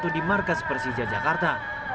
di markas persija jakarta